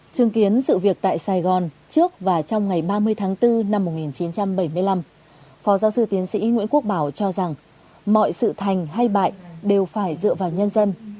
chứng kiến sự việc tại sài gòn trước và trong ngày ba mươi tháng bốn năm một nghìn chín trăm bảy mươi năm phó giáo sư tiến sĩ nguyễn quốc bảo cho rằng mọi sự thành hay bại đều phải dựa vào nhân dân